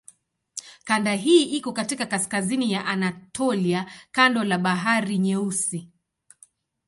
Kanda hii iko katika kaskazini ya Anatolia kando la Bahari Nyeusi.